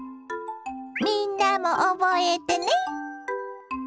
みんなも覚えてね！